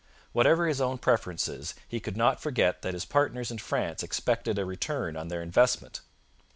Whatever his own preferences, he could not forget that his partners in France expected a return on their investment.